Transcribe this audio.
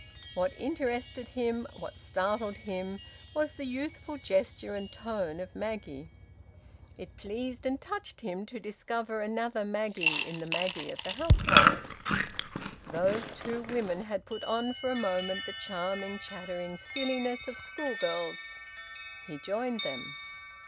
What interested him, what startled him, was the youthful gesture and tone of Maggie. It pleased and touched him to discover another Maggie in the Maggie of the household. Those two women had put on for a moment the charming, chattering silliness of schoolgirls. He joined them.